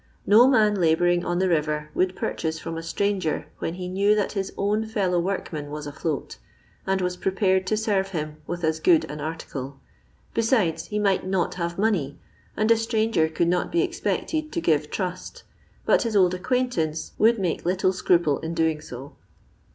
No man labouring on the river would purchase from a stranger when he knew that his own fellow workman was afioat, and wai prepared to serve him with as good an article; besides he might not have money, and a stranger could not be expected to give trust, but his old acquaintance would make little scruple in doing so.